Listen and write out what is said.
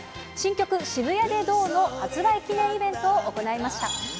新曲、渋谷でどう？の発売記念イベントを行いました。